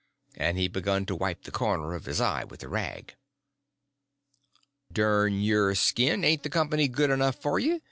And he begun to wipe the corner of his eye with a rag. "Dern your skin, ain't the company good enough for you?"